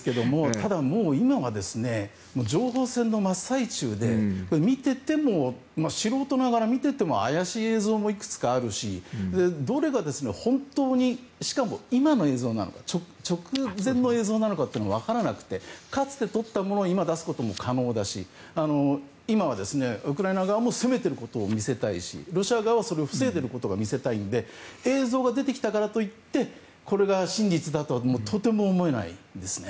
ただ、今はもう情報戦の真っ最中で素人ながら見てても怪しい映像もいくつかあるししかも、今の映像なのか直前の映像なのかというのも分からなくてかつて撮ったものを今出すことも可能だし今はウクライナ側も攻めていることを見せたいしロシア側は防いでることも見せたいので映像が出てきたからといってこれが真実だとはとても思えないですね。